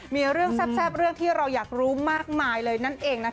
มีเรื่องแซ่บเรื่องที่เราอยากรู้มากมายเลยนั่นเองนะคะ